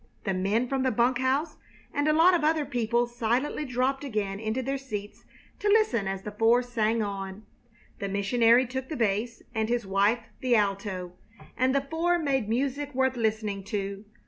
The men from the bunk house and a lot of other people silently dropped again into their seats to listen as the four sang on. The missionary took the bass, and his wife the alto, and the four made music worth listening to.